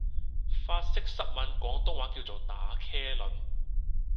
法式濕吻廣東話叫做「打茄輪」